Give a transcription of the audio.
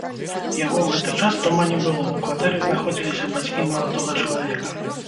Яго ў гэты час дома не было, у кватэры знаходзіліся бацькі маладога чалавека.